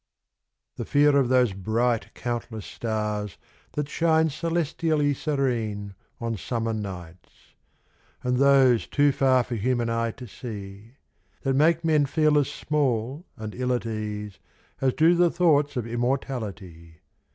—The fear of those bright countless stars that shine Celestially serene on summer nights, — And those too far for human eye to see — That make men feel as small and ill at ease As do the thoughts of immortality.